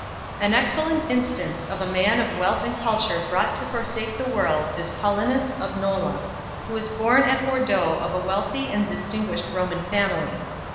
An excellent instance of a man of wealth and culture brought to forsake the world is Paulinus of Nola 2 , who was born at Bordeaux of a wealthy and distinguished Roman family.